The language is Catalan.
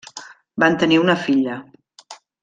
Van tenir una filla.